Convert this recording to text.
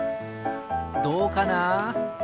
どうかな？